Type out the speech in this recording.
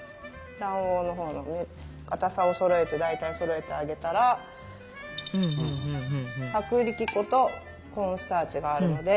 卵黄のほうにかたさをそろえて大体そろえてあげたら薄力粉とコーンスターチがあるので。